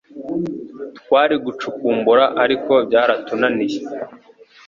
Twari gucukumbura ariko byaratunaniye